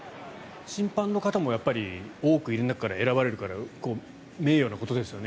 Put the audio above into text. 審判の方も多くいる中から選ばれるから名誉なことですよね。